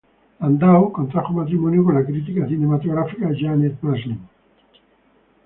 Landau contrajo matrimonio con la crítica cinematográfica Janet Maslin.